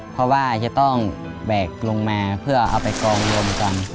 เพราะว่าจะต้องแบกลงมาเพื่อเอาไปกองรวมกัน